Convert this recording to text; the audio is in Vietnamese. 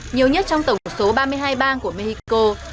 nhiều nhất trong tổng số ba mươi hai bang của mexico